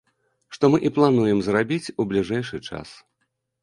Што мы і плануем зрабіць у бліжэйшы час.